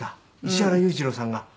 石原裕次郎さんが。